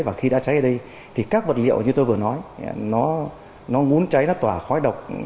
và khi đã cháy ở đây thì các vật liệu như tôi vừa nói nó muốn cháy nó tỏa khói độc